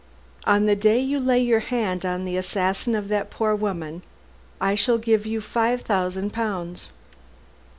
"On the day you lay your hand on the assassin of that poor woman I shall give you five thousand pounds."